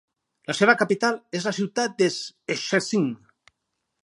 La seva capital és la ciutat de Szczecin.